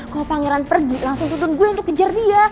kalo pangeran pergi langsung tuntun gue ngekejar dia